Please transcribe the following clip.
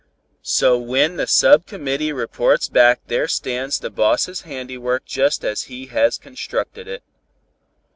So when the sub committee reports back there stands the boss' handiwork just as he has constructed it.